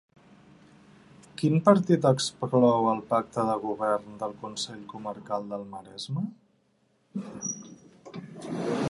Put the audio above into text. Quin partit exclou el pacte de govern del Consell Comarcal del Maresme?